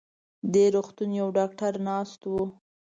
دې روغتون يو ډاکټر ناست و.